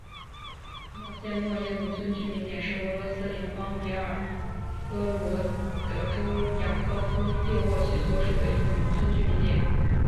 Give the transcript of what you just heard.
莫谢诺耶农村居民点是俄罗斯联邦别尔哥罗德州雅科夫列沃区所属的一个农村居民点。